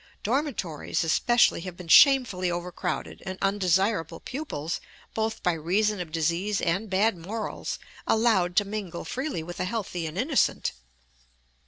Dormitories especially have been shamefully overcrowded, and undesirable pupils, both by reason of disease and bad morals, allowed to mingle freely with the healthy and innocent.